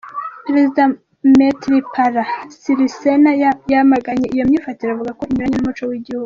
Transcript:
Perezida Maithripala Sirisena yamaganye iyo myifatire, avuga ko ‘‘inyuranye n’umuco’’ w’igihugu.